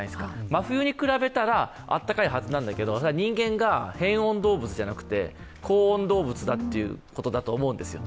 真冬に比べたらあったたかいはずなんだけど、人間が変温動物じゃなくて恒温動物だということだと思うんですよ。